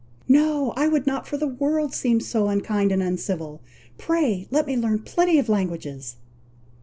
"No! I would not for the world seem so unkind and uncivil. Pray, let me learn plenty of languages."